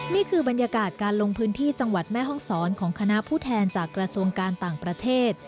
นี่คือบรรยากาศการลงพื้นที่จังหวัดแม่ห้องศรของคณะผู้แทนจากกระทรวงการต่างประเทศ